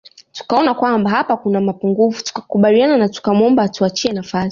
Tukaona kwamba hapa kuna mapungufu tukakubaliana na tukamwomba atuachie nafasi